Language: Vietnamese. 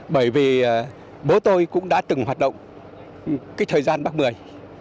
bởi vì bố tôi cũng đã từng hoạt động cái thời gian bác mười